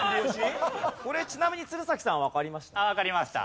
これちなみに鶴崎さんわかりました？